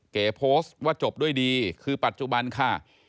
เก๋โพสต์ว่าจบด้วยดีคือปัจจุบันค่ะ